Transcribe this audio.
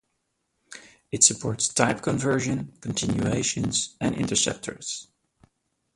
It supports type conversion, continuations, and interceptors.